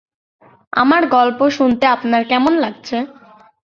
আমার গল্প শুনতে আপনার কেমন লাগছে?